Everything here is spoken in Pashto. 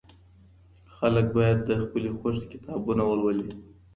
خلګ بايد د خپلي خوښې کتابونه ولولي.